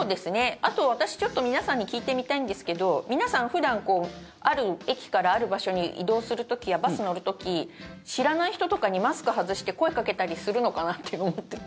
あと、私ちょっと皆さんに聞いてみたいんですけど皆さん普段ある駅からある場所に移動する時や、バス乗る時知らない人とかにマスク外して声かけたりするのかなって思っていて。